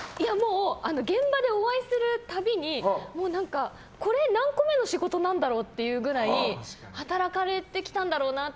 現場でお会いする度にこれ何個目の仕事なんだろうっていうくらい働かれてきたんだろうなって。